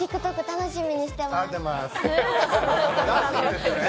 楽しみにしてます。